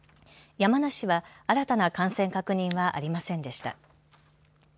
山梨は新たな感染確認はありませんでした。